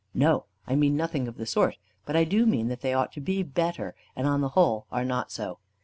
"No, I mean nothing of the sort. But I do mean that they ought to be better, and on the whole are not so.